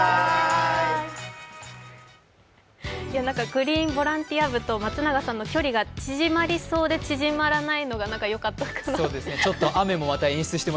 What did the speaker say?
グリーンボランティア部と松永さんの距離が縮まりそうで縮まらないのがよかったかなって。